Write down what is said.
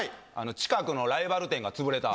近くのライバル店が潰れた。